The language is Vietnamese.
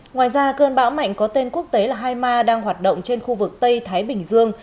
ngoài ra cơn bão mạnh có tên quốc tế là hai ma đang hoạt động trên khu vực tây thái bình dương